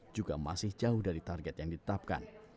juga masih jauh dari target yang ditetapkan